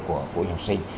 của phụ học sinh